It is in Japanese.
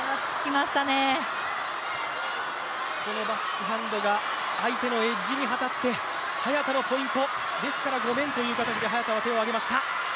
このバックハンドが相手のエッジに当たって早田のポイント、ですから、ごめんという形で早田は手を挙げました。